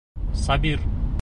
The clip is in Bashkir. Сабир!